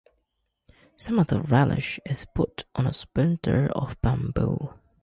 Some of the relish is put on a splinter of bamboo.